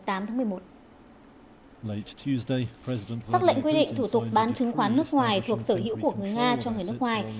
xác lệnh quy định thủ tục bán chứng khoán nước ngoài thuộc sở hữu của người nga cho người nước ngoài